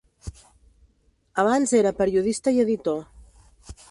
Abans era periodista i editor.